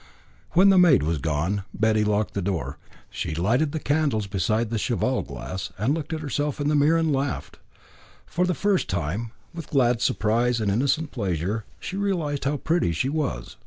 When the maid was gone, Betty locked her door. She lighted the candles beside the cheval glass, and looked at herself in the mirror and laughed. For the first time, with glad surprise and innocent pleasure, she realised how pretty she was.